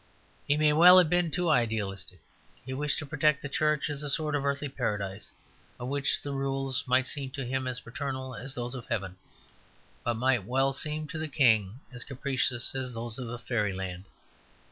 He may well have been too idealistic; he wished to protect the Church as a sort of earthly paradise, of which the rules might seem to him as paternal as those of heaven, but might well seem to the King as capricious as those of fairyland.